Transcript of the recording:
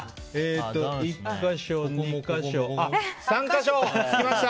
１か所、２か所３か所つきました。